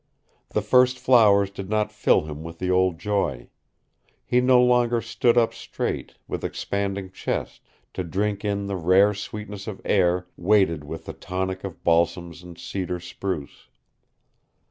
The first flowers did not fill him with the old joy. He no longer stood up straight, with expanding chest, to drink in the rare sweetness of air weighted with the tonic of balsams and cedar spruce.